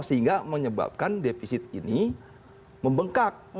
sehingga menyebabkan defisit ini membengkak